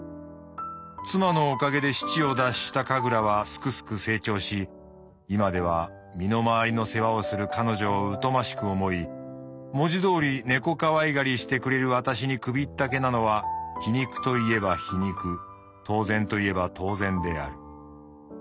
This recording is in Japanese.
妻のおかげで死地を脱したカグラはすくすく成長しいまでは身の回りの世話をする彼女をうとましく思い文字通り猫可愛がりしてくれる私に首ったけなのは皮肉と言えば皮肉当然と言えば当然である」。